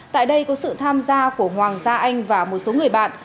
tại đây có sự tham gia của hoàng gia anh và một số người bạn